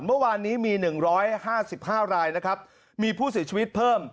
เมื่อวานนี้มี๑๕๕รายนะครับมีผู้เสียชีวิตเพิ่ม